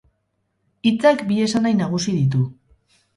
Hitzak bi esanahi nagusi ditu.